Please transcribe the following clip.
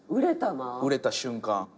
売れた瞬間。